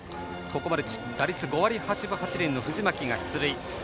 ここまで打率５割８分８厘の藤巻が出塁。